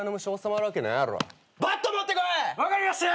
分かりました！